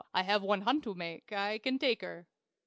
I have one hunt to make. I can take her."